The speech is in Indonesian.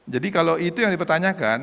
jadi kalau itu yang dipertanyakan